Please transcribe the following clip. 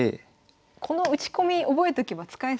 この打ち込み覚えとけば使えそうですね。